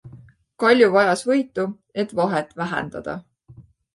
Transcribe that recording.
Kalju vajas võitu, et vahet vähendada.